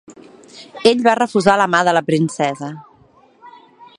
Ell va refusar la mà de la princesa.